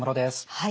はい。